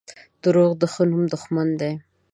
• دروغ د ښه نوم دښمن دي.